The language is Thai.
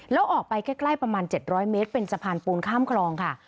แล้วออกไปใกล้ประมาณ๗๐๐เมตรเป็นสะพานปูนข้ามคลองค่ะ